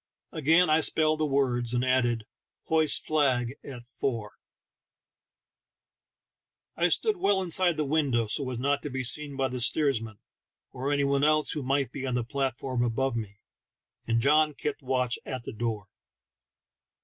Again I .spelled the words, and added, "Hoist flag at fore." I stood well inside the window, so as not to be seen by the steersman, or any one else who might be on the platform above me, and John kept watch at the door.